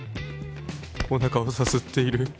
おなかをさすっている。